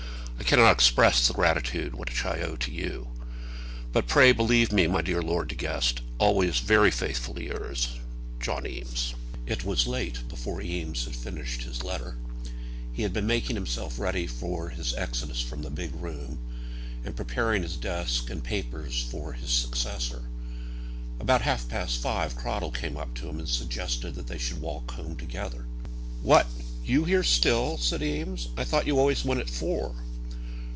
I cannot express the gratitude which I owe to you. But pray believe me, my dear Lord De Guest, always very faithfully yours, JOHN EAMES. It was late before Eames had finished his letter. He had been making himself ready for his exodus from the big room, and preparing his desk and papers for his successor. About half past five Cradell came up to him, and suggested that they should walk home together. "What! you here still?" said Eames. "I thought you always went at four."